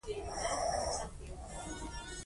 د سی بي ار طریقه یوه مشهوره طریقه ده